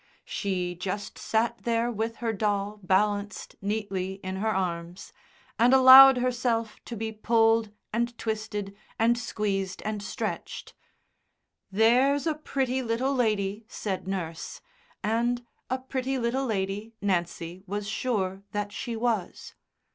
She just sat there with her doll balanced neatly in her arms, and allowed herself to be pulled and twisted and squeezed and stretched. "There's a pretty little lady," said nurse, and a pretty little lady Nancy was sure that she was.